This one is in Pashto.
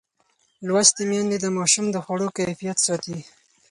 لوستې میندې د ماشوم د خوړو کیفیت ساتي.